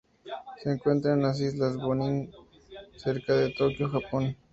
Se encuentra en las islas Bonin, cerca de Tokio, Japón.